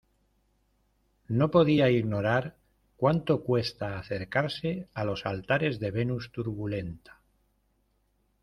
no podía ignorar cuánto cuesta acercarse a los altares de Venus Turbulenta.